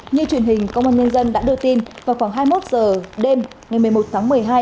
như truyền hình công an nhân dân đã đưa tin vào khoảng hai mươi một h đêm ngày một mươi một tháng một mươi hai